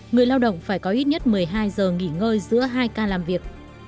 người lao động phải có ít nhất một mươi hai giờ nghỉ ngơi giữa hai ca làm việc